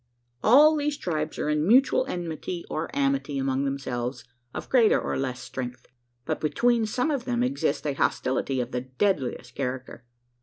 All these tribes are in mutual enmity or amity amongst themselves, of greater or less strength; but between some of them exists a hostility of the deadliest character.